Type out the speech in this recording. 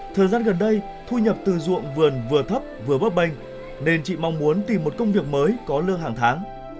thời gian gần đây thu nhập từ ruộng vườn vừa thấp vừa bấp bênh nên chị mong muốn tìm một công việc mới có lương hàng tháng